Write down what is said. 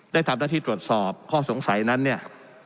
ได้ทำหน้าที่ตรวจสอบข้อสงสัยนั้นเนี่ย